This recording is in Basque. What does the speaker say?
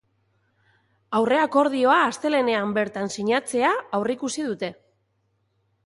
Aurreakordioa astelehenean bertan sinatzea aurreikusi dute.